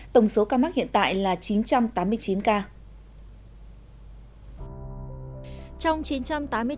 tổng số ca mắc hiện tại là chín trăm tám mươi chín ca